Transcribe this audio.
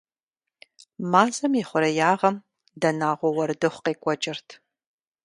Мазэм и хъуреягъым дэнагъуэ уэрдыхъу къекӀуэкӀырт.